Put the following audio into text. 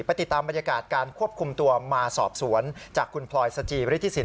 ติดตามบรรยากาศการควบคุมตัวมาสอบสวนจากคุณพลอยสจิฤทธิสิน